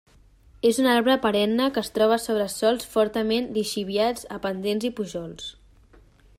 És un arbre perenne que es troba sobre sòls fortament lixiviats a pendents i pujols.